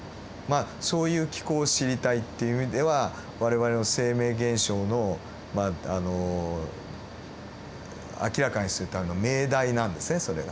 そういう機構を知りたいっていう意味では我々の生命現象のまああの明らかにするための命題なんですねそれが。